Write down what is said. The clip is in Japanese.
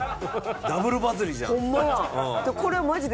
ダブルバズりじゃん。ホンマや。